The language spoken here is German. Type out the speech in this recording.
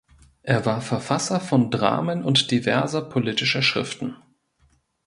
Er war Verfasser von Dramen und diverser politischer Schriften.